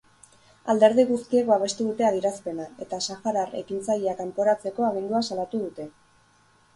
Alderdi guztiek babestu dute adierazpena, eta saharar ekintzailea kanporatzeko agindua salatu dute.